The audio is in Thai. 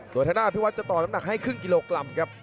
โดยธนาพิวัฒนจะต่อน้ำหนักให้ครึ่งกิโลกรัมครับ